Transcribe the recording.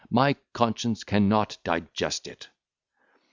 my conscience cannot digest it."